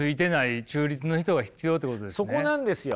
そこなんですよ。